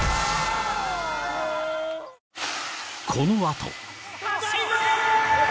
このあと